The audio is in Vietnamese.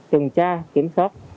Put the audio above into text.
trừng tra kiểm soát